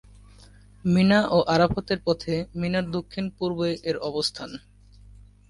মিনা ও আরাফাতের পথে মিনার দক্ষিণ পূর্বে এর অবস্থান।